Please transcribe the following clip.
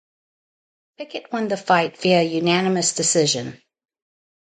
Pickett won the fight via unanimous decision.